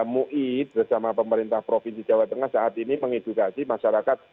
mui bersama pemerintah provinsi jawa tengah saat ini mengedukasi masyarakat